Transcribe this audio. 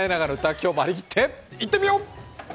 今日も張り切っていってみよう！